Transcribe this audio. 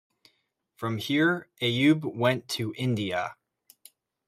From here, Ayoub went to India.